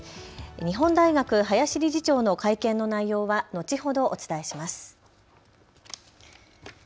日本大学、林理事長の会見の内容は後ほどお伝えします。